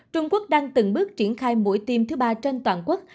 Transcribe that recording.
trung quốc đang từng bước triển khai mũi tiêm thứ ba trên toàn quốc